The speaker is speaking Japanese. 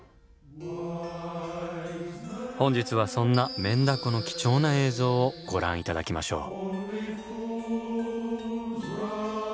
本日はそんなメンダコの貴重な映像をご覧頂きましょう。